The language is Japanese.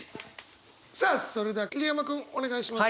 さあそれでは桐山君お願いします。